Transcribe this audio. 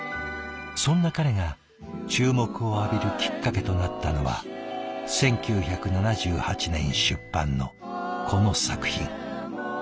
そんな彼が注目を浴びるきっかけとなったのは１９７８年出版のこの作品。